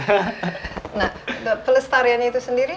nah pelestarian itu sendiri